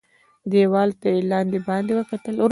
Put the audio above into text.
دېوال ته یې لاندي باندي وکتل .